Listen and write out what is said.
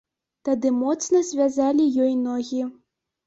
Тады моцна звязалі ёй ногі.